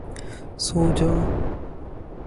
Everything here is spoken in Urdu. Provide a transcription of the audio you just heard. سو جاؤ!